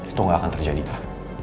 itu gak akan terjadi pak